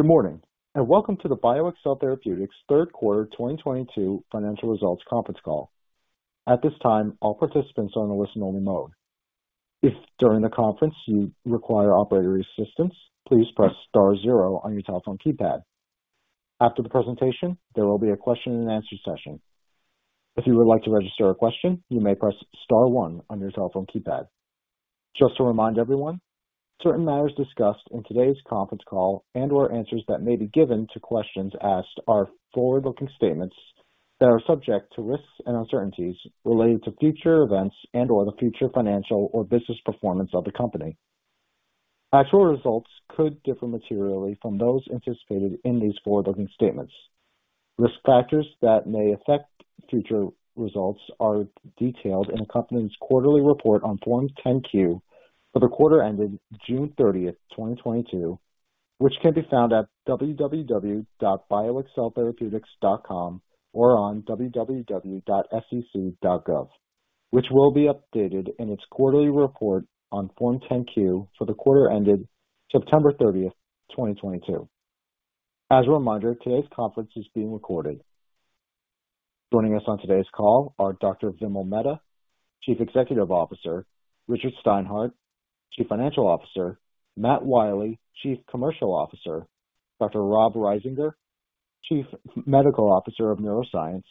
Good morning, and welcome to the BioXcel Therapeutics third quarter 2022 financial results conference call. At this time, all participants are on a listen-only mode. If during the conference you require operator assistance, please press star zero on your telephone keypad. After the presentation, there will be a question and answer session. If you would like to register a question, you may press star one on your telephone keypad. Just to remind everyone, certain matters discussed in today's conference call and/or answers that may be given to questions asked are forward-looking statements, that are subject to risks and uncertainties related to future events and/or the future financial or business performance of the company. Actual results could differ materially from those anticipated in these forward-looking statements. Risk factors that may affect future results are detailed in the company's quarterly report on Form 10-Q, for the quarter ended June 30, 2022, which can be found at www.bioxceltherapeutics.com or on www.sec.gov, which will be updated in its quarterly report on Form 10-Q for the quarter ended September 30, 2022. As a reminder, today's conference is being recorded. Joining us on today's call are Dr. Vimal Mehta, Chief Executive Officer, Richard Steinhart, Chief Financial Officer, Matt Wiley, Chief Commercial Officer, Dr. Rob Risinger, Chief Medical Officer of Neuroscience,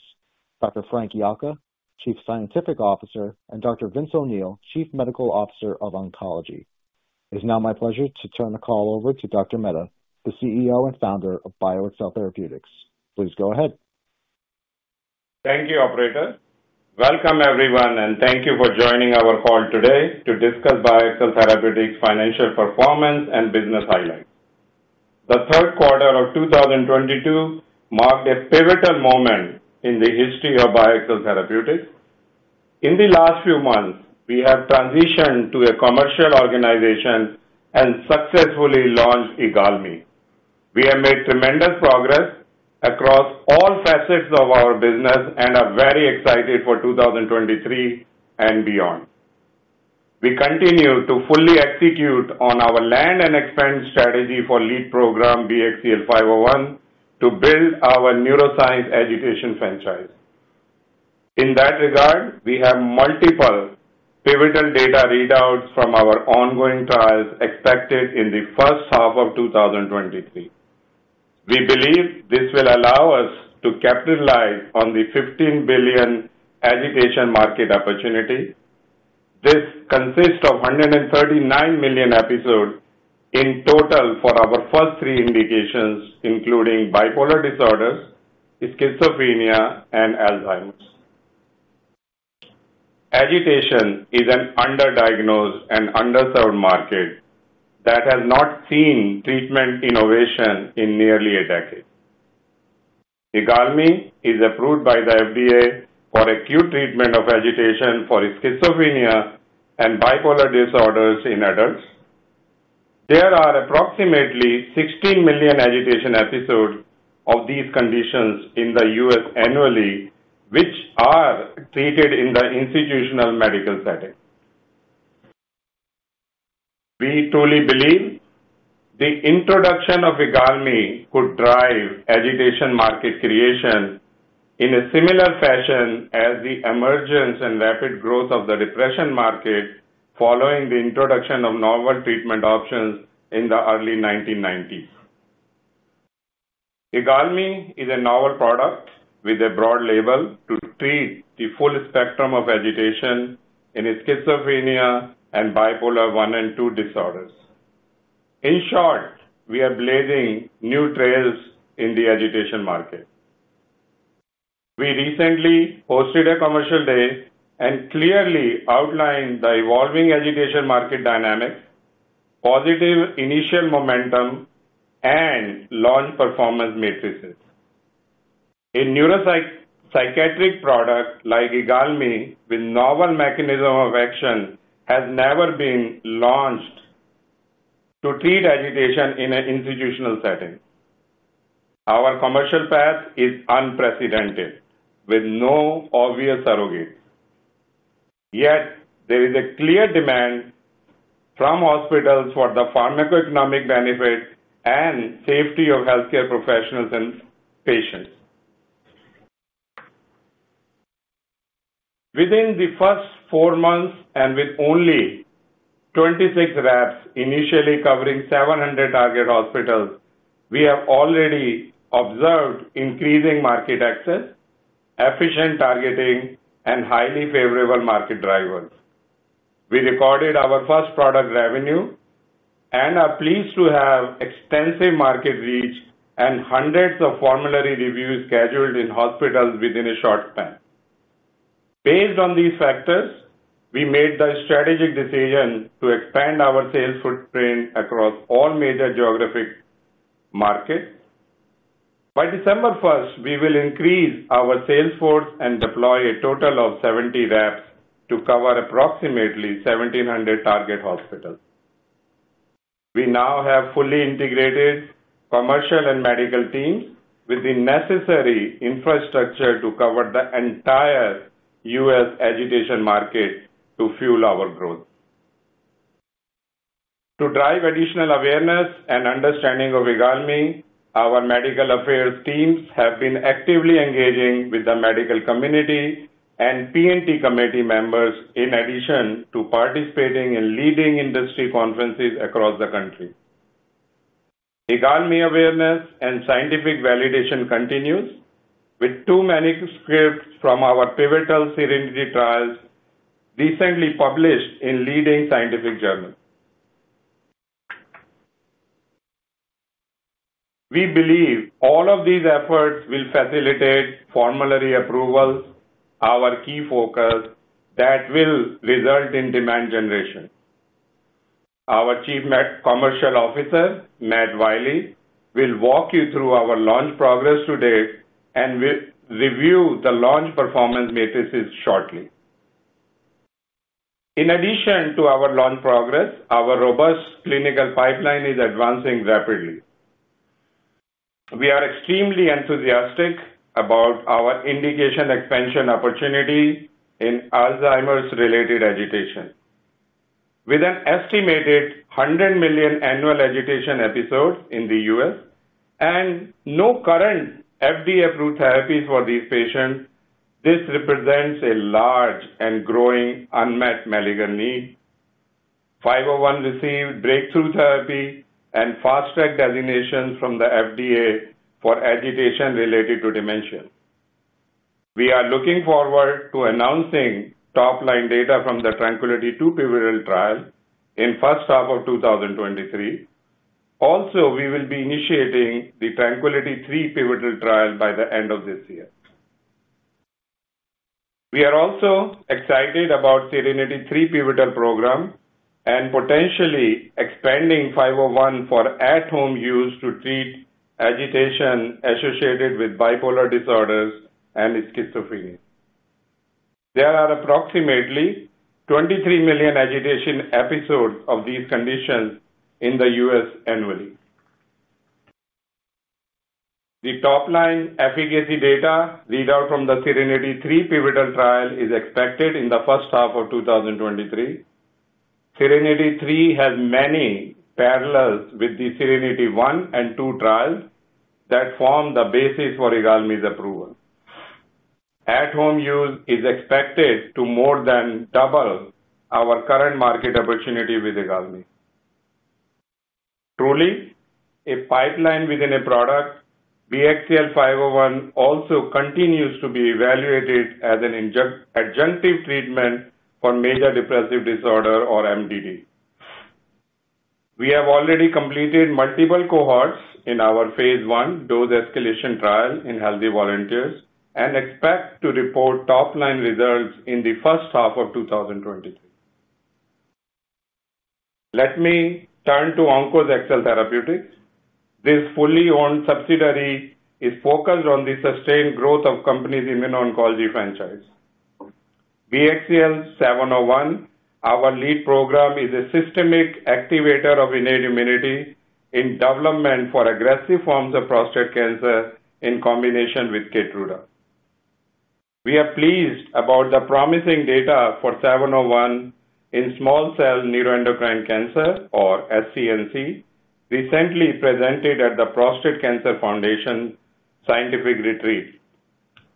Dr. Frank Yocca, Chief Scientific Officer, and Dr. Vince O'Neill, Chief Medical Officer of Oncology. It's now my pleasure to turn the call over to Dr. Mehta, the CEO and founder of BioXcel Therapeutics. Please go ahead. Thank you, operator. Welcome, everyone, and thank you for joining our call today to discuss BioXcel Therapeutics' financial performance and business highlights. The third quarter of 2022 marked a pivotal moment, in the history of BioXcel Therapeutics. In the last few months, we have transitioned to a commercial organization and successfully launched IGALMI. We have made tremendous progress, across all facets of our business and are very excited for 2023 and beyond. We continue to fully execute on our land and expand strategy for lead program BXCL501, to build our neuroscience agitation franchise. In that regard, we have multiple pivotal data readouts from our ongoing trials expected in the first half of 2023. We believe this will allow us to capitalize on the $15 billion agitation market opportunity. This consists of 139 million episodes, in total for our first three indications, including bipolar disorders, schizophrenia, and Alzheimer's. Agitation is an underdiagnosed and underserved market that has not seen treatment innovation in nearly a decade. IGALMI is approved by the FDA for acute treatment of agitation for schizophrenia and bipolar disorders in adults. There are approximately 16 million agitation episodes of these conditions in the U.S. annually, which are treated in the institutional medical setting. We totally believe the introduction of IGALMI could drive agitation market creation, in a similar fashion as the emergence and rapid growth of the depression market, following the introduction of novel treatment options in the early 1990s. IGALMI is a novel product with a broad label to treat the full spectrum of agitation in schizophrenia and bipolar one and two disorders. In short, we are blazing new trails in the agitation market. We recently hosted a commercial day and clearly outlined the evolving agitation market dynamics, positive initial momentum, and launch performance matrices. A neuropsychiatric product like IGALMI, with novel mechanism of action, has never been launched to treat agitation in an institutional setting. Our commercial path is unprecedented, with no obvious surrogate. Yet there is a clear demand from hospitals for the pharmacoeconomic benefits, and safety of healthcare professionals and patients. Within the first four months, and with only 26 reps initially covering 700 target hospitals, we have already observed increasing market access, efficient targeting, and highly favorable market drivers. We recorded our first product revenue and are pleased to have extensive market reach and hundreds of formulary reviews scheduled in hospitals within a short span. Based on these factors, we made the strategic decision to expand our sales footprint across all major geographic markets. By December first, we will increase our sales force and deploy a total of 70 reps to cover approximately 1,700 target hospitals. We now have fully integrated commercial and medical teams, with the necessary infrastructure to cover the entire U.S. agitation market to fuel our growth. To drive additional awareness and understanding of IGALMI, our medical affairs teams have been actively engaging with the medical community and P&T committee members, in addition to participating in leading industry conferences across the country. IGALMI awareness and scientific validation continues, with two manuscripts from our pivotal SERENITY trials recently published in leading scientific journals. We believe all of these efforts will facilitate formulary approval, our key focus, that will result in demand generation. Our Chief Commercial Officer, Matt Wiley, will walk you through our launch progress to date and will review the launch performance metrics shortly. In addition to our launch progress, our robust clinical pipeline is advancing rapidly. We are extremely enthusiastic about our indication expansion opportunity in Alzheimer's-related agitation. With an estimated 100 million annual agitation episodes in the U.S. and no current FDA-approved therapies for these patients, this represents a large and growing unmet medical need. Five-o-one received breakthrough therapy and fast track designation from the FDA for agitation related to dementia. We are looking forward to announcing top-line data from the TRANQUILITY II pivotal trial in first half of 2023. Also, we will be initiating the TRANQUILITY III pivotal trial by the end of this year. We are also excited about SERENITY III pivotal program and potentially expanding BXCL501 for at home use to treat agitation associated with bipolar disorders and schizophrenia. There are approximately 23 million agitation episodes of these conditions in the U.S. annually. The top-line efficacy data read out from the SERENITY III pivotal trial is expected in the first half of 2023. SERENITY III has many parallels with the SERENITY One and Two trials, that form the basis for IGALMI's approval. At home use is expected to more than double our current market opportunity with IGALMI. Truly a pipeline within a product, BXCL501 also continues to be evaluated as an adjunctive treatment for major depressive disorder or MDD. We have already completed multiple cohorts in our phase one dose escalation trial in healthy volunteers and expect to report top-line results in the first half of 2023. Let me turn to OnkosXcel Therapeutics. This wholly owned subsidiary is focused on the sustained growth of the company's immuno-oncology franchise. BXCL701, our lead program, is a systemic activator of innate immunity in development for aggressive forms of prostate cancer in combination with Keytruda. We are pleased about the promising data for 701, in small cell neuroendocrine cancer, or SCNC, recently presented at the Prostate Cancer Foundation Scientific Retreat.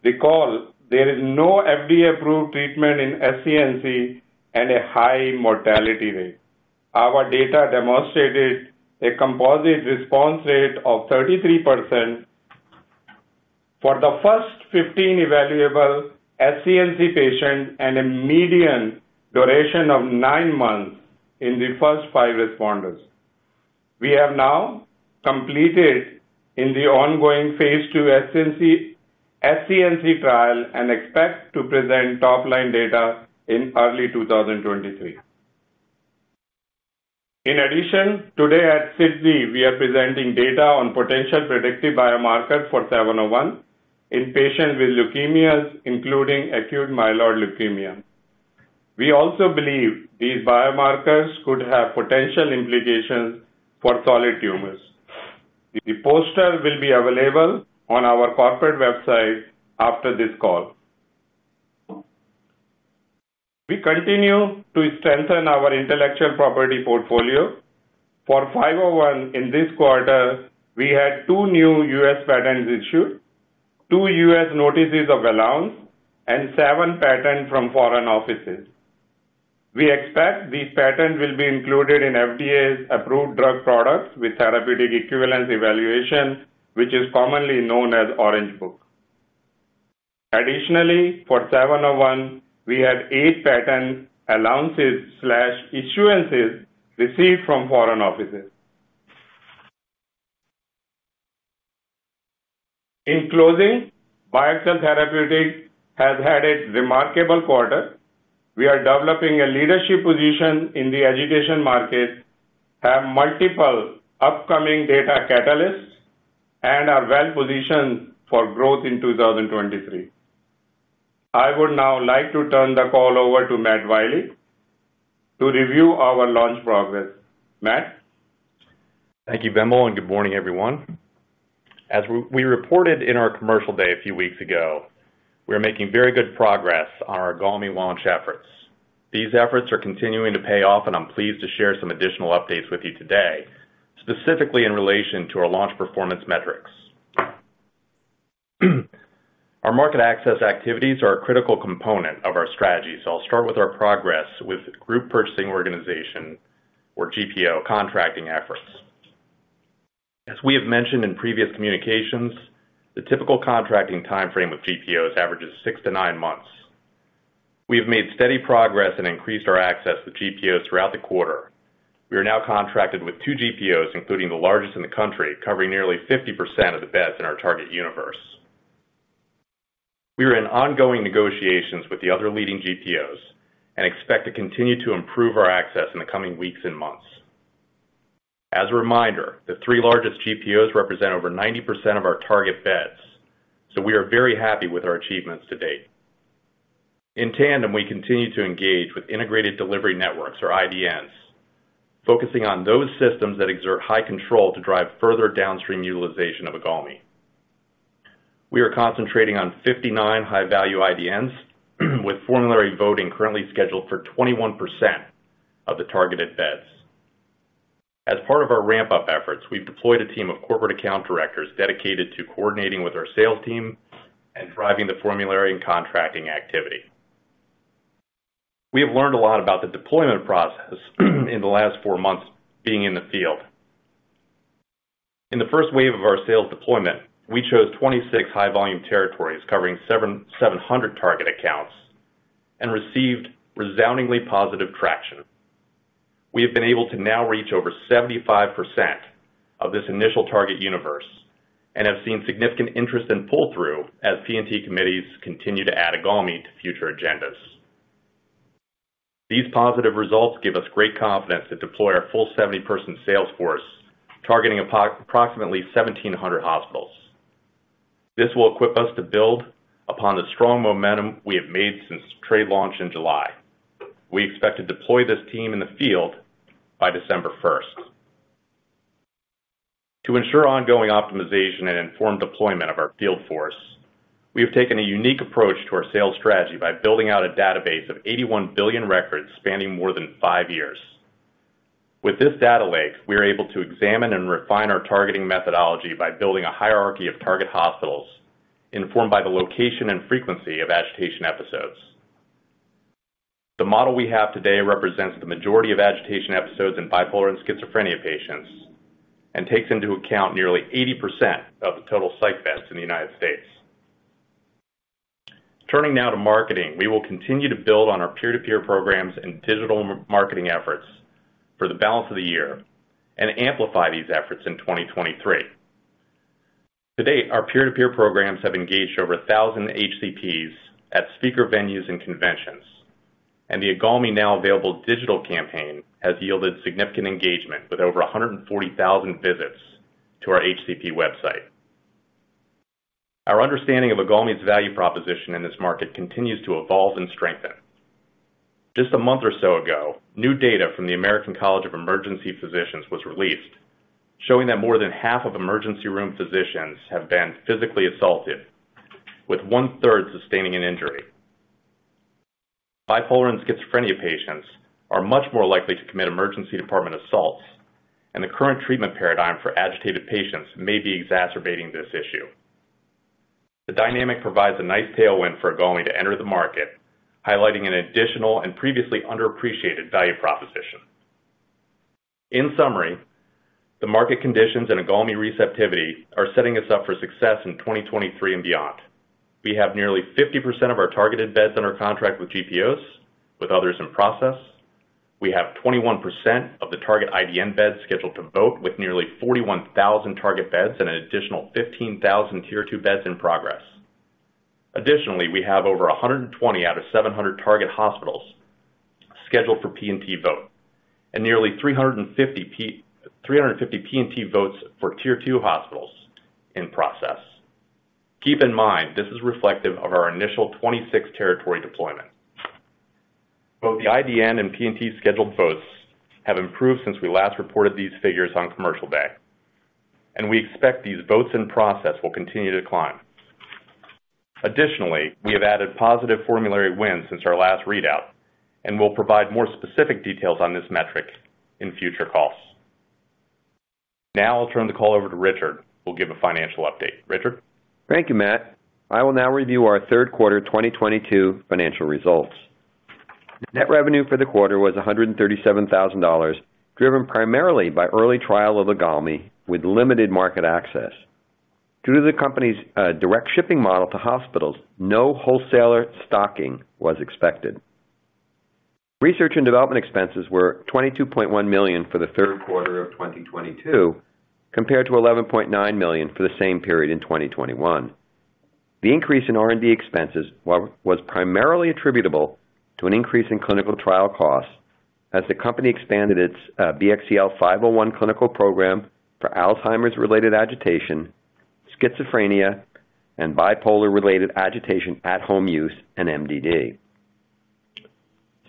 Recall there is no FDA-approved treatment in SCNC and a high mortality rate. Our data demonstrated a composite response rate of 33% for the first 15 evaluable SCNC patients and a median duration of nine months in the first five responders. We have now completed enrollment in the ongoing phase two SCNC trial and expect to present top-line data in early 2023. In addition, today at SITC, we are presenting data on potential predictive biomarkers for BXCL701, in patients with leukemias, including acute myeloid leukemia. We also believe these biomarkers could have potential implications for solid tumors. The poster will be available on our corporate website after this call. We continue to strengthen our intellectual property portfolio. For BXCL501 in this quarter, we had two new U.S. patents issued, two U.S. notices of allowance, and seven patents from foreign offices. We expect these patents will be included in FDA's approved drug products with therapeutic equivalence evaluation, which is commonly known as the Orange Book. Additionally, for BXCL701, we had eight patent allowances/issuances received from foreign offices. In closing, BioXcel Therapeutics has had a remarkable quarter. We are developing a leadership position in the agitation market, have multiple upcoming data catalysts, and are well-positioned for growth in 2023. I would now like to turn the call over to Matt Wiley to review our launch progress. Matt? Thank you, Vimal, and good morning, everyone. As we reported in our commercial day a few weeks ago, we are making very good progress on our IGALMI launch efforts. These efforts are continuing to pay off, and I'm pleased to share some additional updates with you today, specifically in relation to our launch performance metrics. Our market access activities are a critical component of our strategy, so I'll start with our progress with group purchasing organization, or GPO contracting efforts. As we have mentioned in previous communications, the typical contracting timeframe of GPOs averages six to nine months. We have made steady progress and increased our access to GPOs throughout the quarter. We are now contracted with two GPOs, including the largest in the country, covering nearly 50% of the beds in our target universe. We are in ongoing negotiations with the other leading GPOs and expect to continue to improve our access in the coming weeks and months. As a reminder, the three largest GPOs represent over 90% of our target beds, so we are very happy with our achievements to date. In tandem, we continue to engage with integrated delivery networks or IDNs, focusing on those systems that exert high control to drive further downstream utilization of IGALMI. We are concentrating on 59 high-value IDNs, with formulary voting currently scheduled for 21% of the targeted beds. As part of our ramp-up efforts, we've deployed a team of corporate account directors dedicated to coordinating with our sales team, and driving the formulary and contracting activity. We have learned a lot about the deployment process in the last four months being in the field. In the first wave of our sales deployment, we chose 26 high-volume territories covering 700 target accounts and received resoundingly positive traction. We have been able to now reach over 75% of this initial target universe, and have seen significant interest in pull-through as P&T committees continue to add IGALMI to future agendas. These positive results give us great confidence to deploy our full 70-person sales force, targeting approximately 1,700 hospitals. This will equip us to build upon the strong momentum we have made since trade launch in July. We expect to deploy this team in the field by December first. To ensure ongoing optimization and informed deployment of our field force, we have taken a unique approach to our sales strategy by building out a database of 81 billion records spanning more than five years. With this data lake, we are able to examine and refine our targeting methodology by building a hierarchy of target hospitals informed by the location and frequency of agitation episodes. The model we have today represents the majority of agitation episodes in bipolar and schizophrenia patients, and takes into account nearly 80% of the total psych beds in the United States. Turning now to marketing, we will continue to build on our peer-to-peer programs and digital marketing efforts, for the balance of the year and amplify these efforts in 2023. To date, our peer-to-peer programs have engaged over 1,000 HCPs at speaker venues and conventions, and the IGALMI Now Available digital campaign has yielded significant engagement, with over 140,000 visits to our HCP website. Our understanding of IGALMI's value proposition in this market continues to evolve and strengthen. Just a month or so ago, new data from the American College of Emergency Physicians was released, showing that more than half of emergency room physicians have been physically assaulted, with one-third sustaining an injury. Bipolar and schizophrenia patients are much more likely to commit emergency department assaults, and the current treatment paradigm for agitated patients may be exacerbating this issue. The dynamic provides a nice tailwind for IGALMI to enter the market, highlighting an additional and previously underappreciated value proposition. In summary, the market conditions and IGALMI receptivity are setting us up for success in 2023 and beyond. We have nearly 50% of our targeted beds under contract with GPOs, with others in process. We have 21% of the target IDN beds scheduled to vote with nearly 41,000 target beds and an additional 15,000 Tier two beds in progress. Additionally, we have over 120 out of 700 target hospitals scheduled for P&T vote and nearly 350 P&T votes for Tier two hospitals in process. Keep in mind, this is reflective of our initial 26 territory deployment. Both the IDN and P&T scheduled votes have improved since we last reported these figures on Commercial Day, and we expect these votes in process will continue to climb. Additionally, we have added positive formulary wins since our last readout, and we'll provide more specific details on this metric in future calls. Now I'll turn the call over to Richard, who will give a financial update. Richard? Thank you, Matt. I will now review our third quarter 2022 financial results. Net revenue for the quarter was $137,000, driven primarily by early trial of IGALMI with limited market access. Due to the company's direct shipping model to hospitals, no wholesaler stocking was expected. Research and development expenses were $22.1 million for the third quarter of 2022, compared to $11.9 million for the same period in 2021. The increase in R&D expenses was primarily attributable, to an increase in clinical trial costs as the company expanded its BXCL501 clinical program for Alzheimer's-related agitation, schizophrenia, and bipolar-related agitation at home use and MDD.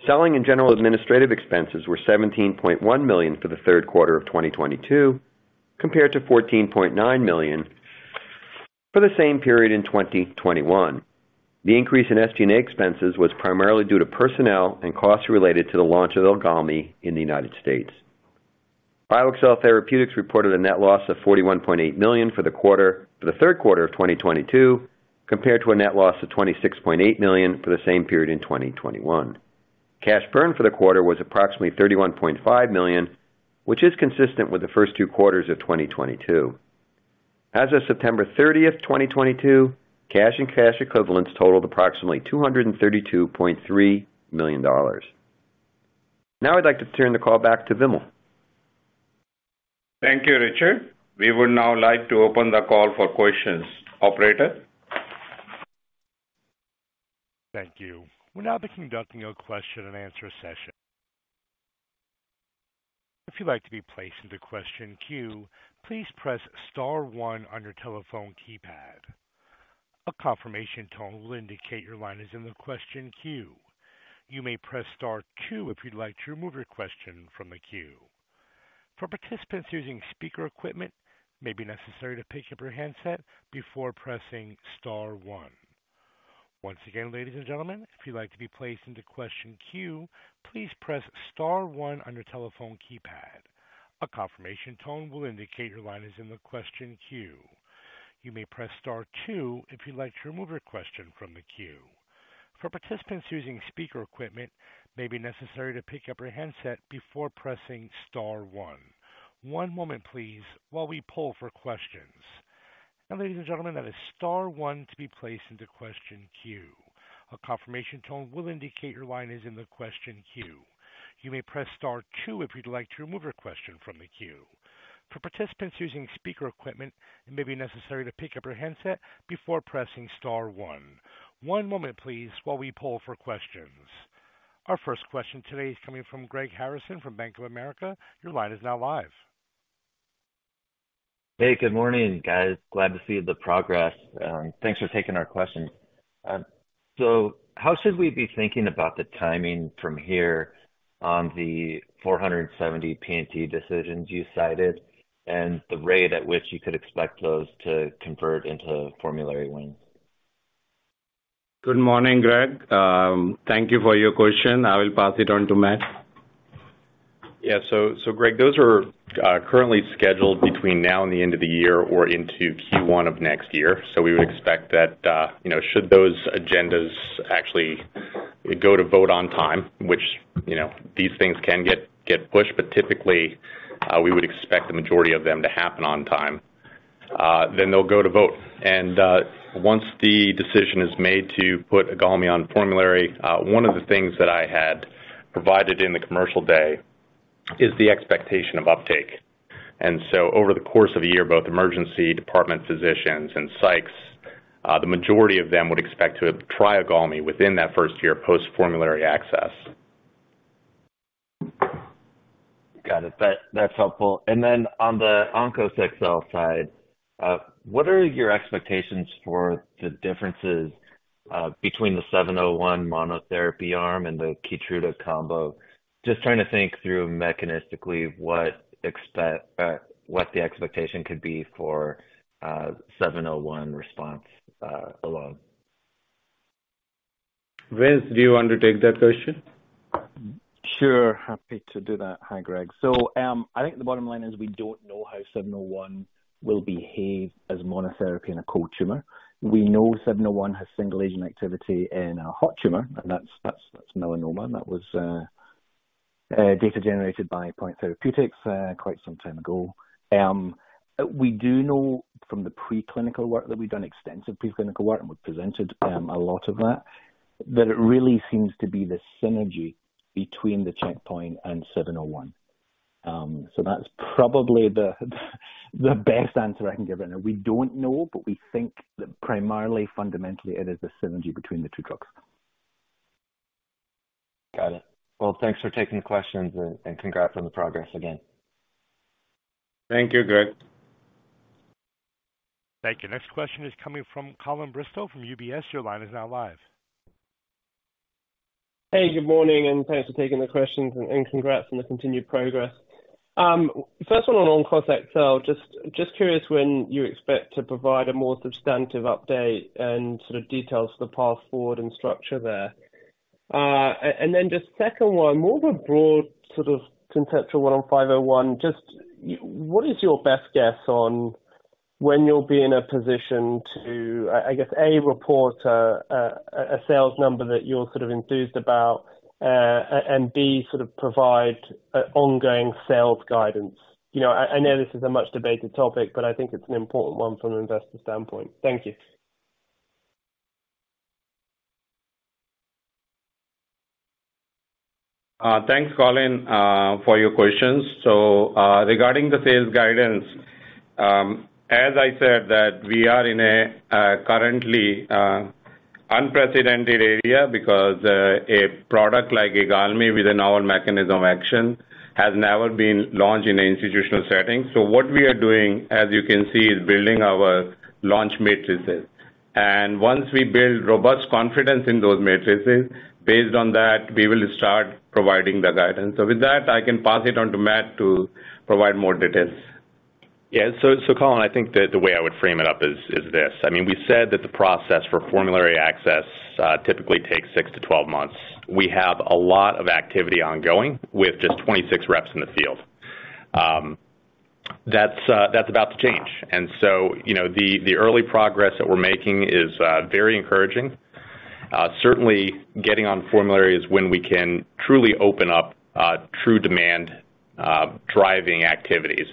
Selling and general administrative expenses were $17.1 million for the third quarter of 2022, compared to $14.9 million for the same period in 2021. The increase in SG&A expenses was primarily due to personnel and costs related to the launch of IGALMI in the United States. BioXcel Therapeutics reported a net loss of $41.8 million for the third quarter of 2022, compared to a net loss of $26.8 million for the same period in 2021. Cash burn for the quarter was approximately $31.5 million, which is consistent with the first two quarters of 2022. As of September 30, 2022, cash and cash equivalents totaled approximately $232.3 million. Now I'd like to turn the call back to Vimal. Thank you, Richard. We would now like to open the call for questions. Operator. Thank you. We'll now be conducting a question and answer session. If you'd like to be placed in the question queue, please press star one on your telephone keypad. A confirmation tone will indicate your line is in the question queue. You may press star two if you'd like to remove your question from the queue. For participants using speaker equipment, it may be necessary to pick up your handset before pressing star one. Once again, ladies and gentlemen, if you'd like to be placed into question queue, please press star one on your telephone keypad. A confirmation tone will indicate your line is in the question queue. You may press star two if you'd like to remove your question from the queue. For participants using speaker equipment, it may be necessary to pick up your handset before pressing star one. One moment, please, while we pull for questions. Now, ladies and gentlemen, that is star one to be placed into question queue. A confirmation tone will indicate your line is in the question queue. You may press star two if you'd like to remove your question from the queue. For participants using speaker equipment, it may be necessary to pick up your handset before pressing star one. One moment, please, while we poll for questions. Our first question today is coming from Greg Harrison from Bank of America. Your line is now live. Hey, good morning, guys. Glad to see the progress. Thanks for taking our questions. How should we be thinking about the timing from here on the 470 P&T decisions you cited and the rate at which you could expect those to convert into formulary wins? Good morning, Greg, thank you for your question. I will pass it on to Matt. Yeah. Greg, those are currently scheduled between now and the end of the year or into Q1 of next year. So we would expect that, you know, should those agendas actually go to vote on time, which, you know, these things can get pushed, but typically, we would expect the majority of them to happen on time, then they'll go to vote. Once the decision is made to put IGALMI on formulary, one of the things that I had provided in the Commercial Day is the expectation of uptake. Over the course of a year, both emergency department physicians and psychs, the majority of them would expect to try IGALMI within that first year post formulary access. Got it. That's helpful. Then on the OnkosXcel side, what are your expectations for the differences between the 701 monotherapy arm and the Keytruda combo? Just trying to think through mechanistically what the expectation could be for 701 response alone. Vince, do you want to take that question? Sure. Happy to do that. Hi, Greg. I think the bottom line is we don't know how seven zero one will behave as monotherapy in a cold tumor. We know 701 has single agent activity in a hot tumor, and that's melanoma, and that was data generated by Point Therapeutics quite some time ago. We do know from the preclinical work that we've done extensive preclinical work, and we've presented a lot of that it really seems to be the synergy between the checkpoint and 701. That's probably the best answer I can give right now. We don't know, but we think that primarily, fundamentally, it is the synergy between the two drugs. Got it. Well, thanks for taking the questions and congrats on the progress again. Thank you, Greg. Thank you. Next question is coming from Colin Bristow from UBS. Your line is now live. Hey, good morning, and thanks for taking the questions and congrats on the continued progress. First one on OnkosXcel. Just curious when you expect to provide a more substantive update and sort of details for the path forward and structure there. And then the second one, more of a broad sort of conceptual one on BXCL501. Just what is your best guess on when you'll be in a position to, I guess, A, report a sales number that you're sort of enthused about, and B, sort of provide ongoing sales guidance. You know, I know this is a much-debated topic, but I think it's an important one from an investor standpoint. Thank you. Thanks, Colin, for your questions. Regarding the sales guidance, as I said, that we are in a currently unprecedented area because a product like IGALMI with a novel mechanism of action, has never been launched in an institutional setting. What we are doing, as you can see, is building our launch matrices. Once we build robust confidence in those matrices, based on that, we will start providing the guidance. With that, I can pass it on to Matt to provide more details. Yeah. Colin, I think that the way I would frame it up is this. I mean, we said that the process for formulary access typically takes six to 12 months. We have a lot of activity ongoing with just 26 reps in the field. That's about to change. You know, the early progress that we're making is very encouraging. Certainly getting on formulary is when we can truly open up a true demand driving activities.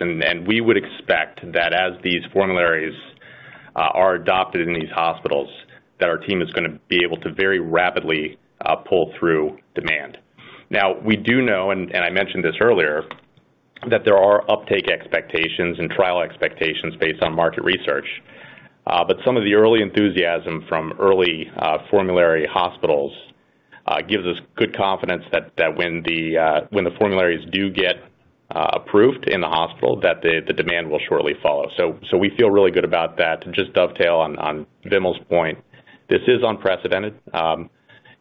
We would expect that as these formularies, are adopted in these hospitals, that our team is gonna be able to very rapidly pull through demand. Now, we do know, and I mentioned this earlier, that there are uptake expectations and trial expectations based on market research. Some of the early enthusiasm from early formulary hospitals, gives us good confidence that when the formularies do get approved in the hospital, that the demand will shortly follow. We feel really good about that. To just dovetail on Vimal's point, this is unprecedented.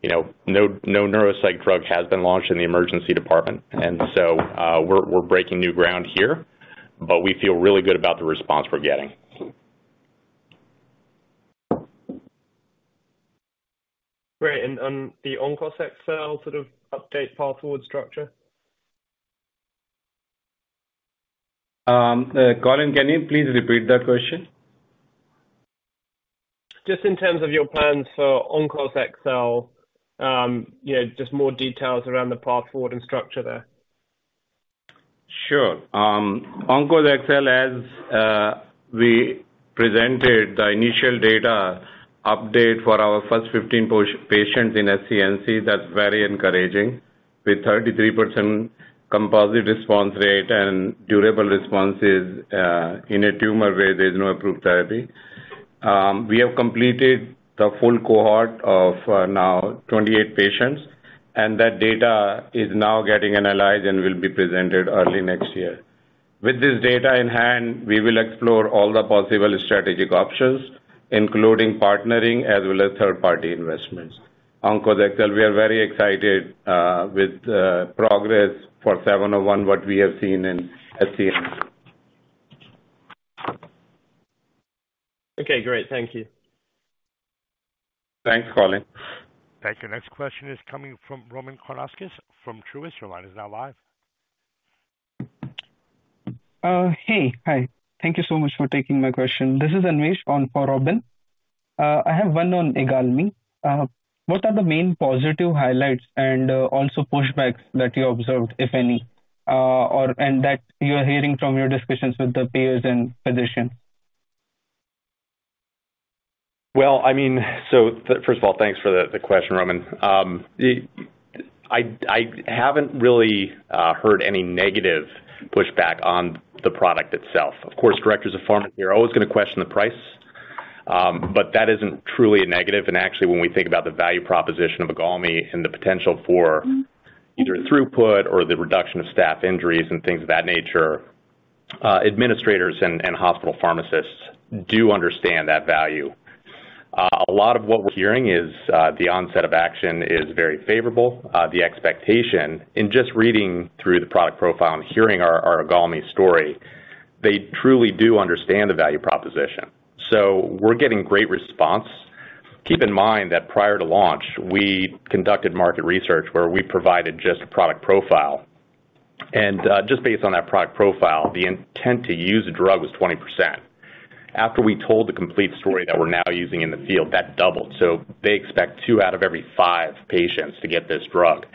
You know, no neuropsych drug has been launched in the emergency department. We're breaking new ground here, but we feel really good about the response we're getting. Great. The OnkosXcel sort of update path forward structure. Colin, can you please repeat that question? Just in terms of your plans for OnkosXcel, you know, just more details around the path forward and structure there. Sure. OnkosXcel, as we presented the initial data update for our first 15 patients in SCNC, that's very encouraging. With 33% composite response rate and durable responses in a tumor where there's no approved therapy. We have completed the full cohort of now 28 patients, and that data is now getting analyzed and will be presented early next year. With this data in hand, we will explore all the possible strategic options, including partnering as well as third-party investments. OnkosXcel, we are very excited with the progress for 701, what we have seen in SCNC. Okay, great. Thank you. Thanks, Colin. Thank you. Next question is coming from Robyn Karnauskas from Truist. Your line is now live. Hey. Hi. Thank you so much for taking my question. This is Anmesh on for Robyn. I have one on IGALMI. What are the main positive highlights and also pushbacks that you observed, if any, and that you are hearing from your discussions with the peers and physicians? First of all, thanks for the question, Robyn. I haven't really heard any negative pushback on the product itself. Of course, directors of pharmacy are always gonna question the price, but that isn't truly a negative. Actually, when we think about the value proposition of IGALMI and the potential for, either throughput or the reduction of staff injuries and things of that nature, administrators and hospital pharmacists do understand that value. A lot of what we're hearing is the onset of action is very favorable. The expectation in just reading through the product profile and hearing our IGALMI story, they truly do understand the value proposition. We're getting great response. Keep in mind that prior to launch, we conducted market research where we provided just a product profile. Just based on that product profile, the intent to use the drug was 20%. After we told the complete story that we're now using in the field, that doubled. They expect two out of every five patients to get this drug.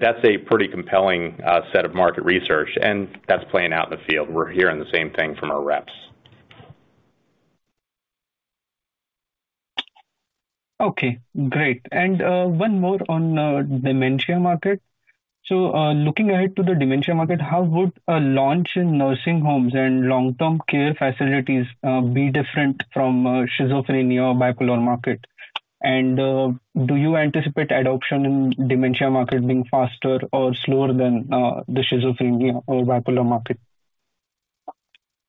That's a pretty compelling set of market research, and that's playing out in the field. We're hearing the same thing from our reps. Okay, great. One more on dementia market. Looking ahead to the dementia market, how would a launch in nursing homes and long-term care facilities be different from schizophrenia or bipolar market? Do you anticipate adoption in dementia market being faster or slower than the schizophrenia or bipolar market?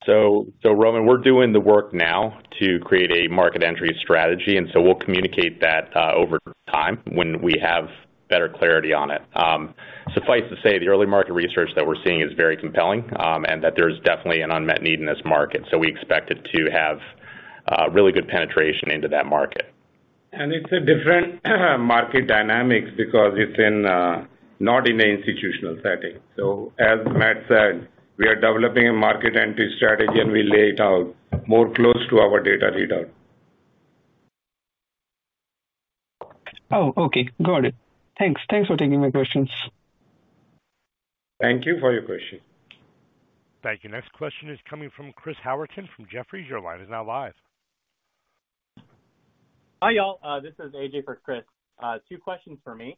Robyn, we're doing the work now to create a market entry strategy, and so we'll communicate that over time when we have better clarity on it. Suffice to say, the early market research that we're seeing is very compelling, and that there's definitely an unmet need in this market. We expect it to have really good penetration into that market. It's a different market dynamics because it's not in an institutional setting. As Matt said, we are developing a market entry strategy, and we'll lay it out more close to our data readout. Oh, okay. Got it. Thanks. Thanks for taking my questions. Thank you for your question. Thank you. Next question is coming from Chris Howerton from Jefferies. Your line is now live. Hi, y'all. This is AJ for Chris. Two questions for me.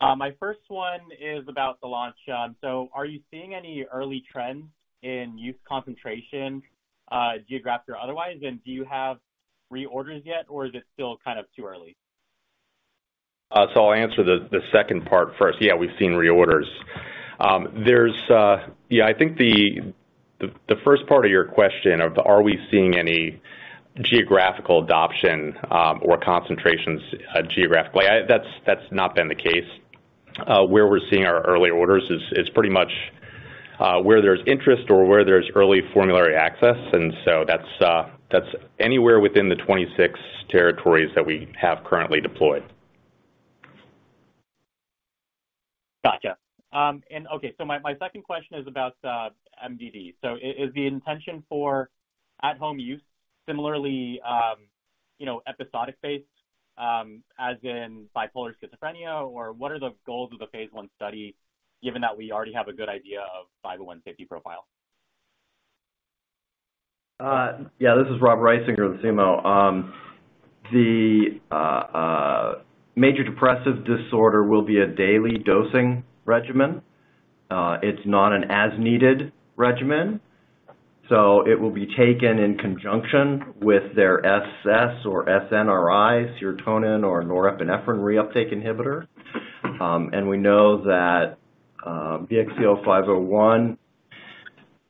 My first one is about the launch. Are you seeing any early trends in use concentration, geographic or otherwise? Do you have reorders yet, or is it still kind of too early? I'll answer the second part first. Yeah, we've seen reorders. I think the first part of your question of are we seeing any geographical adoption or concentrations geographically, that's not been the case. Where we're seeing our early orders is pretty much where there's interest or where there's early formulary access. That's anywhere within the 26 territories that we have currently deployed. Gotcha. Okay, my second question is about MDD. Is the intention for at-home use similarly, you know, episodic based, as in bipolar schizophrenia, or what are the goals of the phase one study, given that we already have a good idea of 501 safety profile? This is Rob Risinger with CMO. The major depressive disorder will be a daily dosing regimen. It's not an as-needed regimen, so it will be taken in conjunction with their SS or SNRI, serotonin or norepinephrine reuptake inhibitor. We know that BXCL501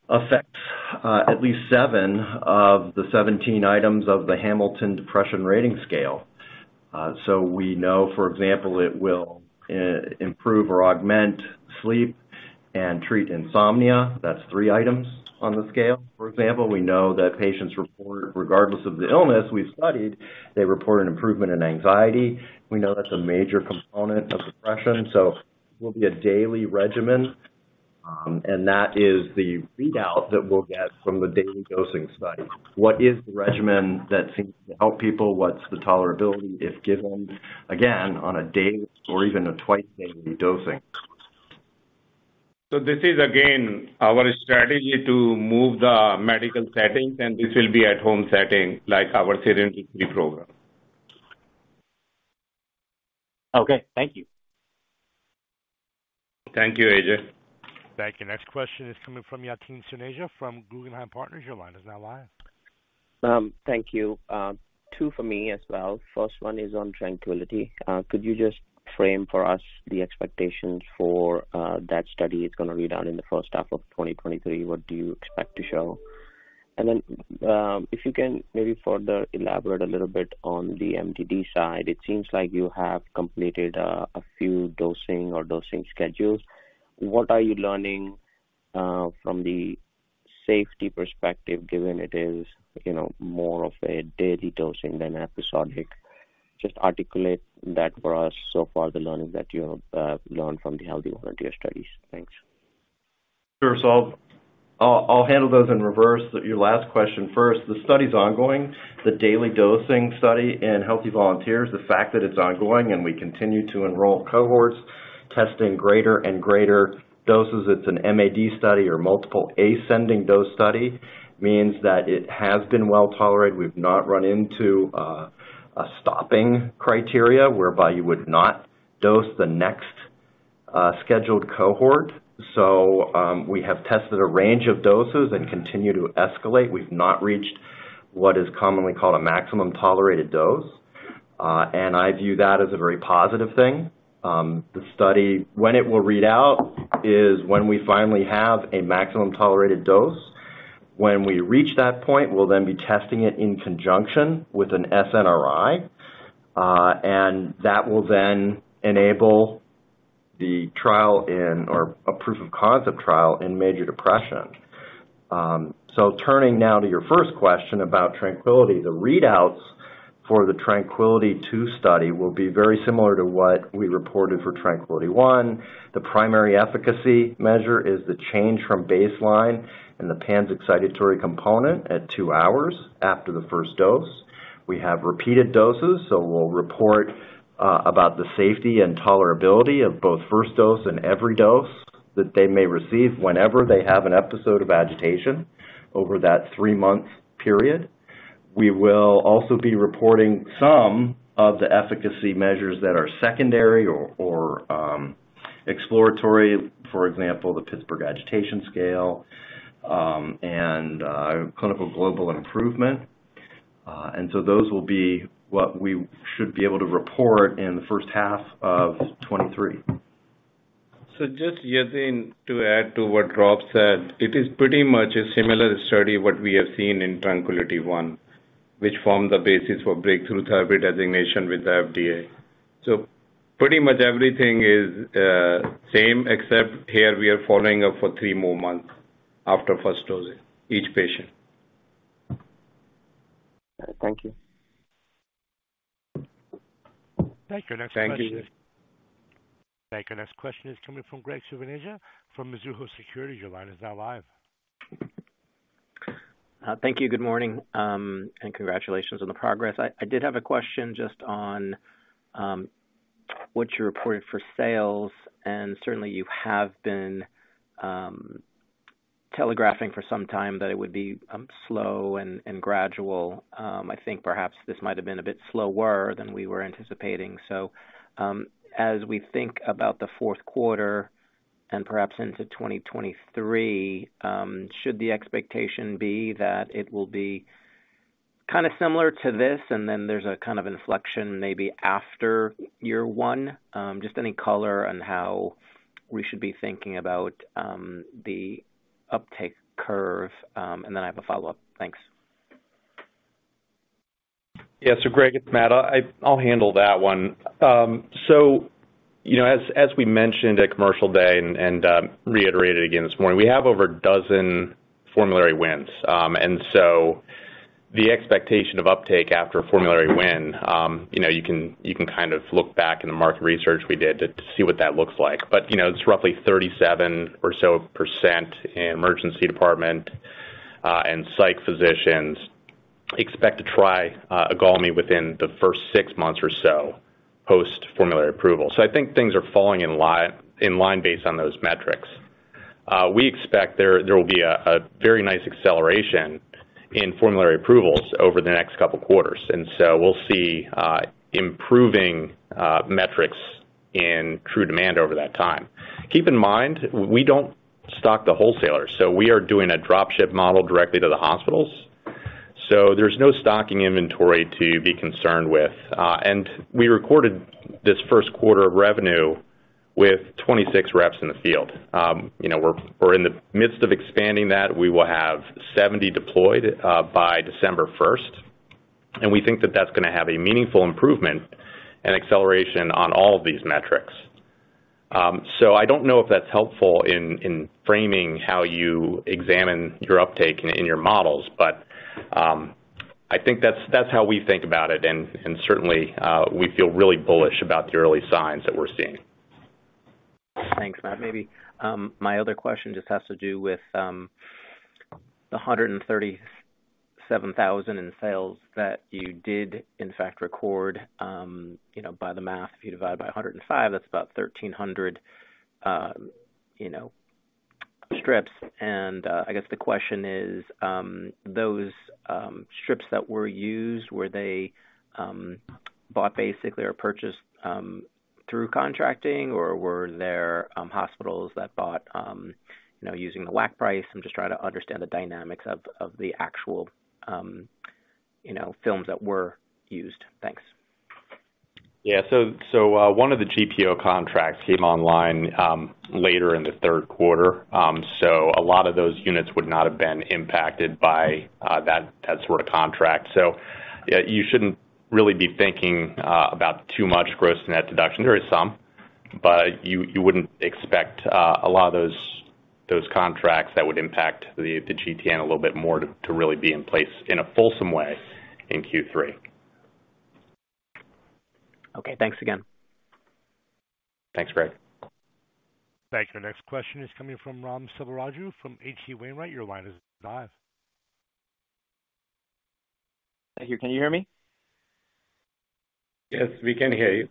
affects at least seven of the 17 items of the Hamilton Depression Rating Scale. We know, for example, it will improve or augment sleep and treat insomnia. That's three items on the scale. For example, we know that patients report, regardless of the illness we've studied, they report an improvement in anxiety. We know that's a major component of depression, so will be a daily regimen. That is the readout that we'll get from the daily dosing study. What is the regimen that seems to help people? What's the tolerability if given, again, on a daily or even a twice daily dosing? This is again our strategy to move to medical settings, and this will be at-home setting like our SERENITY program. Okay, thank you. Thank you, AJ. Thank you. Next question is coming from Yatin Suneja from Guggenheim Partners. Your line is now live. Thank you. two for me as well. First one is on TRANQUILITY. Could you just frame for us the expectations for that study? It's gonna be done in the first half of 2023. What do you expect to show? If you can maybe further elaborate a little bit on the MDD side. It seems like you have completed a few dosing schedules. What are you learning from the safety perspective, given it is, you know, more of a daily dosing than episodic? Just articulate that for us so far, the learning that you learned from the healthy volunteer studies. Thanks. Sure. I'll handle those in reverse. Your last question first. The study's ongoing, the daily dosing study in healthy volunteers. The fact that it's ongoing and we continue to enroll cohorts testing greater and greater doses, it's an MAD study or multiple ascending dose study, means that it has been well tolerated. We've not run into a stopping criteria whereby you would not dose the next scheduled cohort. We have tested a range of doses and continue to escalate. We've not reached what is commonly called a maximum tolerated dose, and I view that as a very positive thing. The study, when it will read out is when we finally have a maximum tolerated dose. When we reach that point, we'll then be testing it in conjunction with an SNRI, and that will then enable the trial in or a proof of concept trial in major depression. Turning now to your first question about TRANQUILITY. The readouts for the TRANQUILITY II study will be very similar to what we reported for TRANQUILITY I. The primary efficacy measure is the change from baseline and the PANSS Excited Component at two hours after the first dose. We have repeated doses, so we'll report about the safety and tolerability of both first dose and every dose, that they may receive whenever they have an episode of agitation over that three-month period. We will also be reporting some of the efficacy measures that are secondary or exploratory. For example, the Pittsburgh Agitation Scale and Clinical Global Impression. Those will be what we should be able to report in the first half of 2023. Just Yatin to add to what Rob said, it is pretty much a similar study what we have seen in TRANQUILITY one, which formed the basis for breakthrough therapy designation with the FDA. Pretty much everything is same, except here we are following up for three more months after first dosing each patient. Thank you. Thank you. Thank you. Thank you. Next question is coming from Graig Suvannavejh from Mizuho Securities. Your line is now live. Thank you. Good morning, and congratulations on the progress. I did have a question just on what you reported for sales. Certainly, you have been telegraphing for some time that it would be slow and gradual. I think perhaps this might have been a bit slower than we were anticipating. As we think about the fourth quarter and perhaps into 2023, should the expectation be that it will be Kind of similar to this, and then there's a kind of inflection maybe after year one. Just any color on how we should be thinking about the uptake curve, and then I have a follow-up. Thanks. Yes Greg, it's Matt. I'll handle that one. You know, as we mentioned at Commercial Day and reiterated again this morning, we have over a dozen formulary wins. The expectation of uptake after a formulary win, you know, you can kind of look back in the market research we did to see what that looks like. You know, it's roughly 37% or so in emergency department and psych physicians expect to try IGALMI within the first six months or so post-formulary approval. I think things are falling in line based on those metrics. We expect there will be a very nice acceleration in formulary approvals over the next couple quarters, and so we'll see improving metrics in true demand over that time. Keep in mind, we don't stock the wholesalers, so we are doing a drop-ship model directly to the hospitals. There's no stocking inventory to be concerned with. We recorded this first quarter of revenue with 26 reps in the field. You know, we're in the midst of expanding that. We will have 70 deployed by December first, and we think that that's gonna have a meaningful improvement, and acceleration on all of these metrics. I don't know if that's helpful in framing how you examine your uptake in your models, but I think that's how we think about it, and certainly we feel really bullish about the early signs that we're seeing. Thanks, Matt. Maybe my other question just has to do with the $137,000 in sales that you did in fact record. You know, by the math, if you divide by 105, that's about 1,300 strips. I guess the question is, those strips that were used, were they bought basically or purchased through contracting, or were there hospitals that bought using the WAC price? I'm just trying to understand the dynamics of the actual films that were used. Thanks. Yeah. One of the GPO contracts came online later in the third quarter. A lot of those units would not have been impacted by that sort of contract. You shouldn't really be thinking about too much gross-to-net deduction. There is some, but you wouldn't expect a lot of those contracts that would impact the GTN a little bit more to really be in place in a fulsome way in Q3. Okay, thanks again. Thanks, Greg. Thank you. Next question is coming from Ram Selvaraju from H.C. Wainwright. Your line is live. Thank you. Can you hear me? Yes, we can hear you.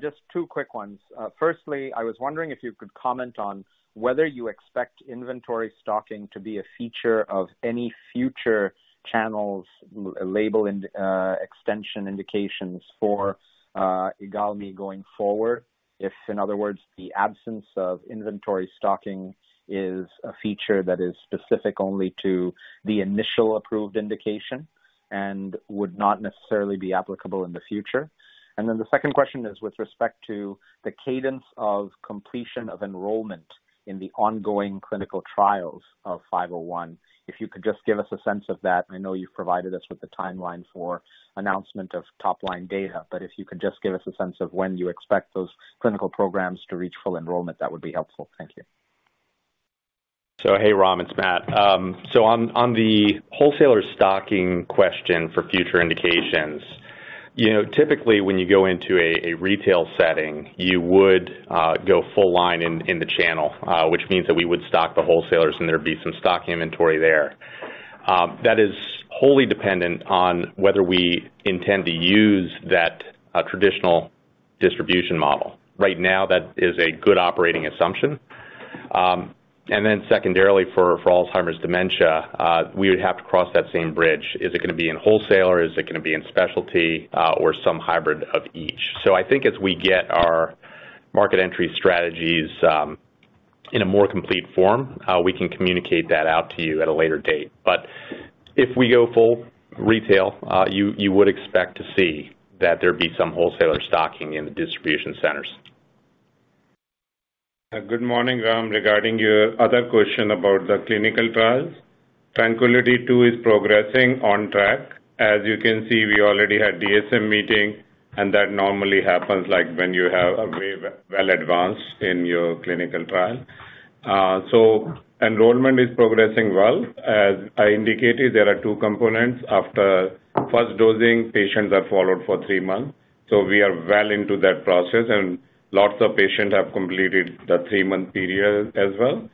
Just two quick ones. Firstly, I was wondering if you could comment on, whether you expect inventory stocking to be a feature of any future label and extension indications for IGALMI going forward. If, in other words, the absence of inventory stocking is a feature that is specific only to the initial approved indication, and would not necessarily be applicable in the future. The second question is with respect to the cadence of completion of enrollment in the ongoing clinical trials of 501. If you could just give us a sense of that. I know you've provided us with the timeline for announcement of top-line data, but if you could just give us a sense of when you expect those clinical programs to reach full enrollment, that would be helpful. Thank you. Hey, Ram, it's Matt. On the wholesaler stocking question for future indications, you know, typically when you go into a retail setting, you would go full line in the channel, which means that we would stock the wholesalers and there'd be some stock inventory there. That is wholly dependent on whether we intend to use that traditional distribution model. Right now, that is a good operating assumption. Secondarily, for Alzheimer's dementia, we would have to cross that same bridge. Is it gonna be in wholesaler? Is it gonna be in specialty, or some hybrid of each? I think as we get our market entry strategies in a more complete form, we can communicate that out to you at a later date. If we go full retail, you would expect to see that there'd be some wholesaler stocking in the distribution centers. Good morning, Ram. Regarding your other question about the clinical trials, Tranquility II is progressing on track. As you can see, we already had DSMB meeting, and that normally happens, like, when you are well advanced in your clinical trial. Enrollment is progressing well. As I indicated, there are two components. After first dosing, patients are followed for three months. We are well into that process, and lots of patients have completed the three-month period as well.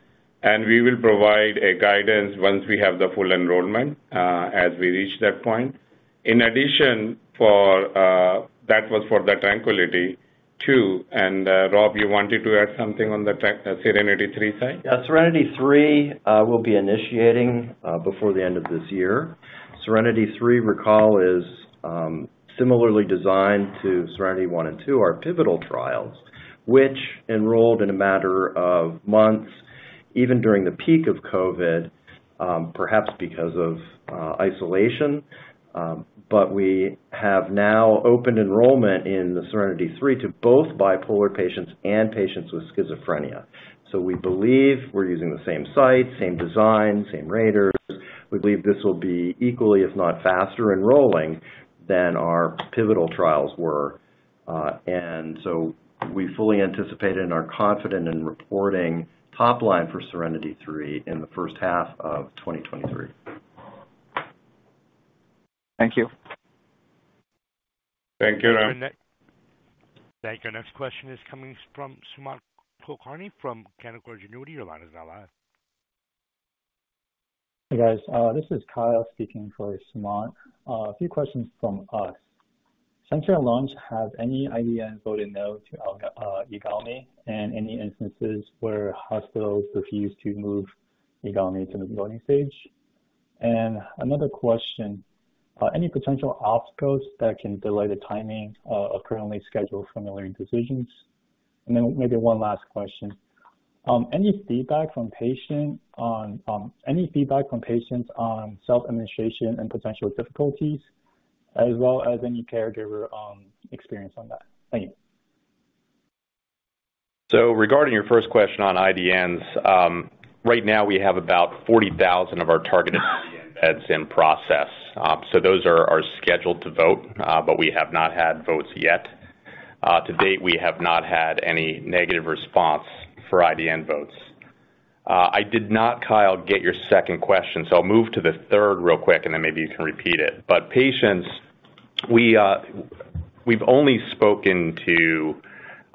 We will provide guidance once we have the full enrollment, as we reach that point. In addition, that was for the Tranquility II. Rob, you wanted to add something on the Serenity III side? Yeah, Serenity III will be initiating before the end of this year. Serenity III, recall, is similarly designed to Serenity I and II, our pivotal trials, which enrolled in a matter of months, even during the peak of COVID. Perhaps because of isolation. We have now opened enrollment in the SERENITY III to both bipolar patients and patients with schizophrenia. We believe we're using the same site, same design, same raters. We believe this will be equally, if not faster enrolling than our pivotal trials were. We fully anticipate and are confident in reporting top line for SERENITY III in the first half of 2023. Thank you. Thank you. Thank you. Next question is coming from Sumant Kulkarni from Canaccord Genuity. Your line is now live. Hey, guys. This is Kyle speaking for Sumant. A few questions from us. Since your launch, have any IDN voted no to IGALMI, and any instances where hospitals refused to move IGALMI to the voting stage? Another question, any potential obstacles that can delay the timing of currently scheduled formulary decisions? Maybe one last question. Any feedback from patients on self-administration and potential difficulties, as well as any caregiver experience on that? Thank you. Regarding your first question on IDNs, right now we have about 40,000 of our targeted IDNs that's in process. Those are scheduled to vote, but we have not had votes yet. To date, we have not had any negative response for IDN votes. I did not, Kyle, get your second question, so I'll move to the third real quick, and then maybe you can repeat it. Patients, we've only spoken to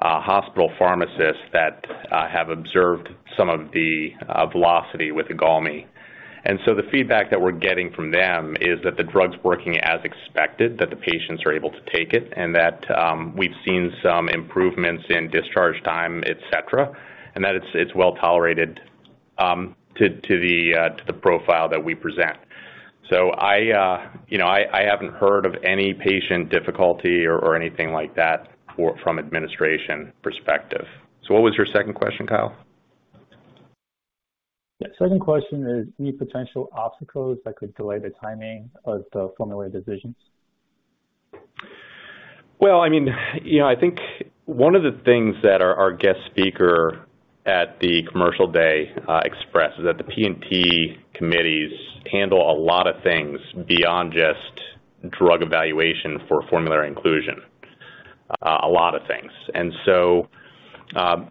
hospital pharmacists that have observed some of the velocity with IGALMI. The feedback that we're getting from them is that the drug's working as expected, that the patients are able to take it, and that we've seen some improvements in discharge time, et cetera, and that it's well tolerated to the profile that we present. You know, I haven't heard of any patient difficulty or anything like that from administration perspective. What was your second question, Kyle? Yeah. Second question is, any potential obstacles that could delay the timing of the formulary decisions? Well, I mean, you know, I think one of the things that our guest speaker, at the commercial day expressed is that the P&T committees handle a lot of things beyond just drug evaluation for formulary inclusion. A lot of things.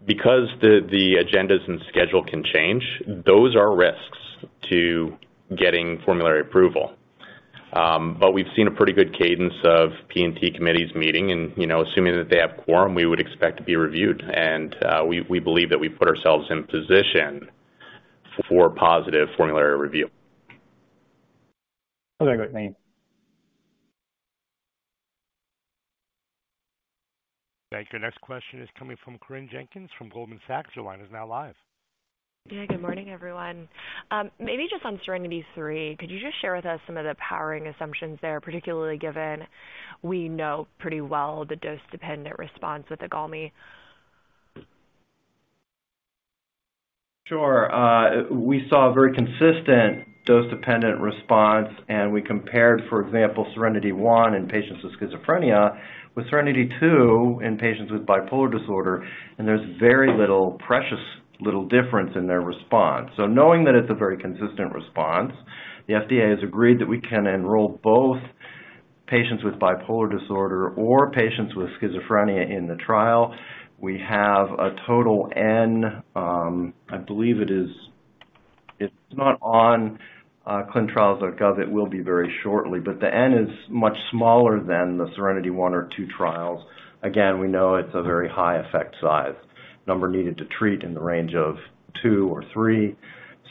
Because the agendas and schedule can change, those are risks to getting formulary approval. We've seen a pretty good cadence of P&T committees meeting and, you know, assuming that they have quorum, we would expect to be reviewed. We believe that we put ourselves in position for positive formulary review. Okay, great. Thank you. Thank you. Next question is coming from Corinne Jenkins from Goldman Sachs. Your line is now live. Yeah, good morning, everyone. Maybe just on SERENITY III, could you just share with us some of the powering assumptions there, particularly given we know pretty well the dose-dependent response with IGALMI? Sure. We saw a very consistent dose-dependent response, and we compared, for example, SERENITY I in patients with schizophrenia with SERENITY II in patients with bipolar disorder, and there's very little, precious little difference in their response. Knowing that it's a very consistent response, the FDA has agreed that we can enroll both patients with bipolar disorder or patients with schizophrenia in the trial. We have a total N. It's not on clinicaltrials.gov. It will be very shortly, but the N is much smaller than the SERENITY I or II trials. Again, we know it's a very high effect size number needed to treat in the range of two or three.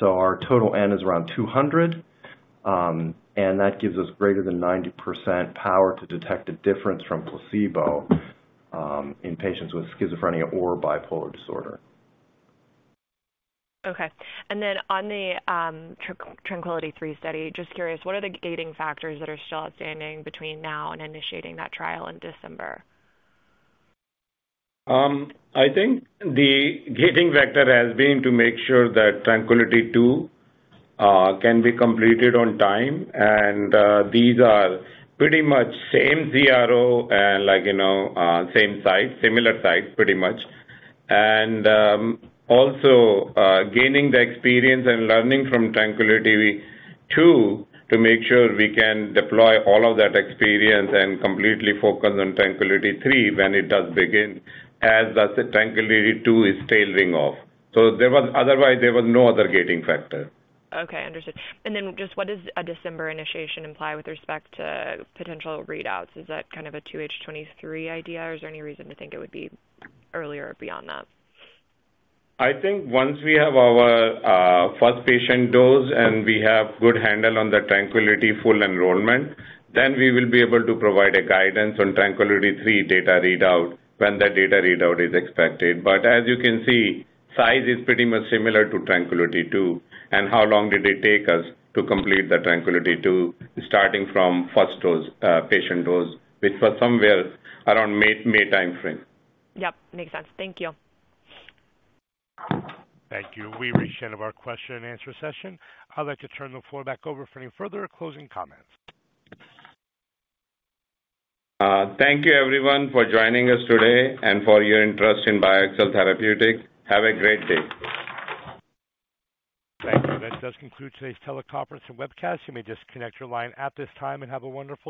Our total N is around 200, and that gives us greater than 90% power to detect a difference from placebo, in patients with schizophrenia or bipolar disorder. On the TRANQUILITY III study, just curious, what are the gating factors that are still outstanding between now and initiating that trial in December? I think the gating factor has been to make sure that TRANQUILITY II, can be completed on time. These are pretty much same CRO and like, you know, same site, similar sites, pretty much. Also, gaining the experience and learning from TRANQUILITY II, to make sure we can deploy all of that experience and completely focus on TRANQUILITY III when it does begin, as TRANQUILITY II is tailing off. Otherwise, there was no other gating factor. Okay, understood. Just what does a December initiation imply with respect to potential readouts? Is that kind of a 2H 2023 idea, or is there any reason to think it would be earlier beyond that? I think once we have our first patient dose and we have good handle on the Tranquility full enrollment, then we will be able to provide a guidance on Tranquility III data readout when the data readout is expected. But as you can see, size is pretty much similar to Tranquility II. How long did it take us to complete the Tranquility II starting from first dose, patient dose, which was somewhere around May timeframe. Yep, makes sense. Thank you. Thank you. We've reached the end of our question and answer session. I'd like to turn the floor back over for any further closing comments. Thank you everyone for joining us today and for your interest in BioXcel Therapeutics. Have a great day. Thank you. That does conclude today's teleconference and webcast. You may disconnect your line at this time and have a wonderful day.